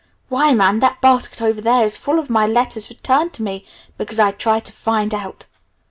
Why, man, that basket over there is full of my letters returned to me because I tried to 'find out'.